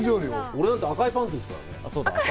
俺、だって赤パンですから。